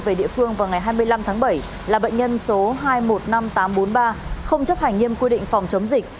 về địa phương vào ngày hai mươi năm tháng bảy là bệnh nhân số hai trăm một mươi năm nghìn tám trăm bốn mươi ba không chấp hành nghiêm quy định phòng chống dịch